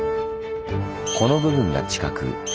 この部分が地殻。